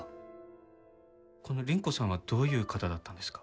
この倫子さんはどういう方だったんですか？